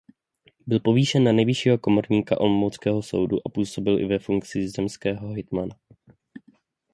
Byl povýšen na nejvyššího komorníka olomouckého soudu a působil i ve funkci zemského hejtmana.